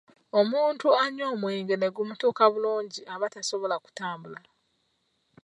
Omuntu anywa omwenge ne gumutuuka bulungi aba tasobola kutambula.